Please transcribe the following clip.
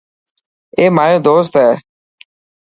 اي مايو دوست هي.